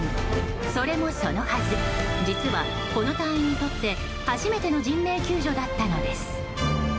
それもそのはず、実はこの隊員にとって初めての人命救助だったのです。